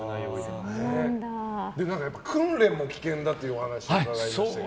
訓練も危険だというお話伺いましたけど。